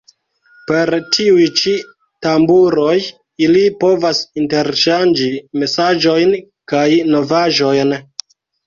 Per tiuj ĉi tamburoj ili povas interŝanĝi mesaĝojn kaj novaĵojn.